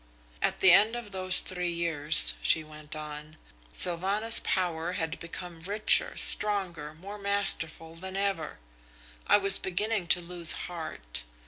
"At the end of those three years," she went on, "Sylvanus Power had become richer, stronger, more masterful than ever. I was beginning to lose heart.